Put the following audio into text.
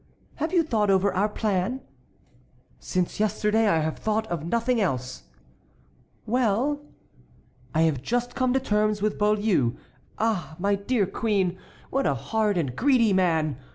"Have you thought over our plan?" "Since yesterday I have thought of nothing else." "Well?" "I have just come to terms with Beaulieu. Ah! my dear queen, what a hard and greedy man!